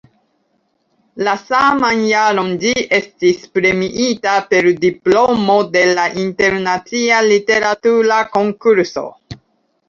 La saman jaron ĝi estis premiita per diplomo de la internacia literatura konkurso.